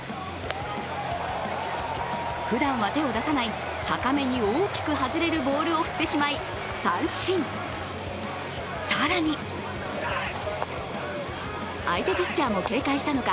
ふだんは手を出さない高めに大きく外れるボールを振ってしまい三振、更に、相手ピッチャーも警戒したのか